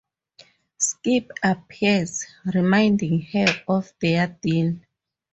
Skip appears, reminding her of their deal.